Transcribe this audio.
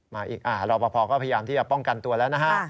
มาอีกรอปภก็พยายามที่จะป้องกันตัวแล้วนะฮะ